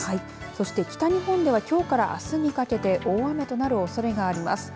そして北日本ではきょうからあすにかけて大雨となるおそれがあります。